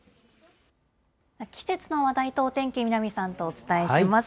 季節の話題とお天気、南さんとお伝えします。